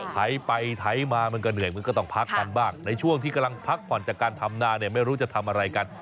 ไถไปไถมามันก็เหนื่อยมันก็ต้องพักกันบ้างในช่วงที่กำลังพักผ่อนจากการทำนาเนี่ยไม่รู้จะทำอะไรกัน